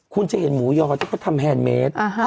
คุณจะเห็นหมูยอที่เขาทำแฮนดเมส